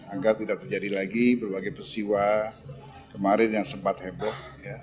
agar tidak terjadi lagi berbagai peristiwa kemarin yang sempat heboh